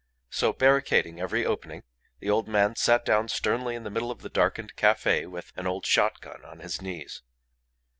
So, barricading every opening, the old man sat down sternly in the middle of the darkened cafe with an old shot gun on his knees.